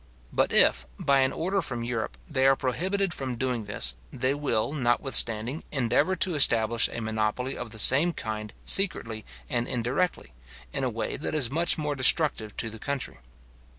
But if, by an order from Europe, they are prohibited from doing this, they will, notwithstanding, endeavour to establish a monopoly of the same kind secretly and indirectly, in a way that is much more destructive to the country.